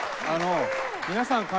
あの皆さん